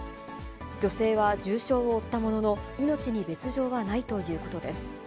女性は重傷を負ったものの、命に別状はないということです。